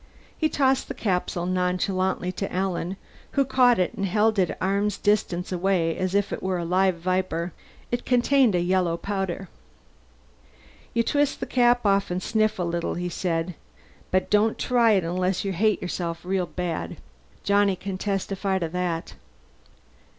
He tossed the capsule nonchalantly to Alan, who caught it and held it at arm's distance as if it were a live viper. It contained a yellow powder. "You twist the cap and sniff a little," Hawkes said. "But don't try it unless you hate yourself real bad. Johnny can testify to that."